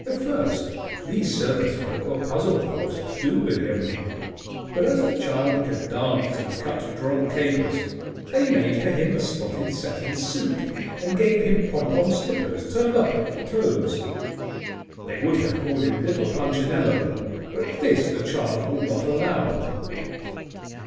At first these circus folk were puzzled what to do with him, but as the child could dance and cut droll capers, they made for him a spotted satin suit and gave him pom pom slippers turned up at the toes. They would have called him Little Punchinello, but this the child would not allow.